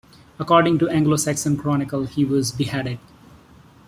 According to the "Anglo-Saxon Chronicle", he was beheaded.